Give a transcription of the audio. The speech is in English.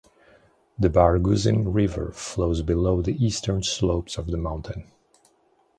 The Barguzin River flows below the eastern slopes of the mountain.